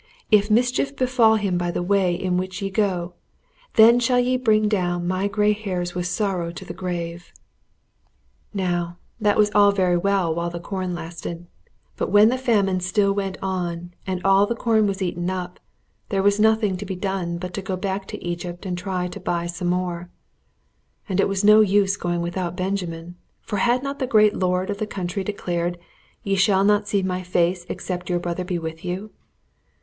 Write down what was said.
If mischief befall him by the way in the which ye go, then shall ye bring down my gray hairs with sorrow to the grave!" [Illustration: There was the money which was the price of the corn.] Now that was all very well while the corn lasted; but when the famine still went on, and all the corn was eaten up, there was nothing to be done but to go back to Egypt and try to buy some more. And it was no use going without Benjamin, for had not the great lord of the country declared, "Ye shall not see my face except your brother be with you."